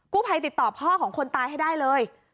ภัยติดต่อพ่อของคนตายให้ได้เลย